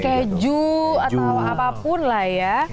keju atau apapun lah ya